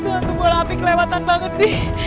tuh bola api kelewatan banget sih